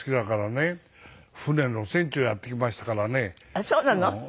あっそうなの？